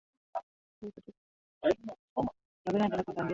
huko katika jiji la New York nchini marekani